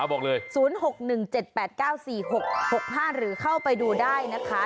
บอกเลย๐๖๑๗๘๙๔๖๖๕หรือเข้าไปดูได้นะคะ